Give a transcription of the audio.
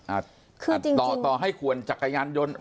อ่ะคือจริงจริงต่อต่อให้ขวนจักรยานยนต์